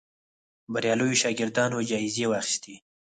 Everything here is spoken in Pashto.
بریالیو شاګردانو جایزې واخیستې